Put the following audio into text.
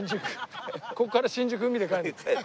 ここから新宿海で帰る。